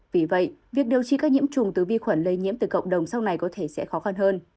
vì vậy việc điều trị các nhiễm trùng từ vi khuẩn lây nhiễm từ cộng đồng sau này có thể sẽ khó khăn hơn